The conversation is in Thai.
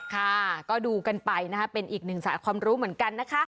ค่ะก็ดูกันไปนะคะเป็นอีกหนึ่งสายความรู้เหมือนกันนะคะ